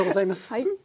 はい。